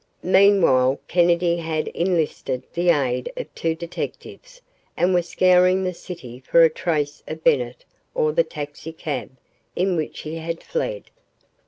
Meanwhile, Kennedy had enlisted the aid of two detectives and was scouring the city for a trace of Bennett or the taxicab in which he had fled.